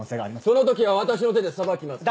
その時は私の手で裁きます。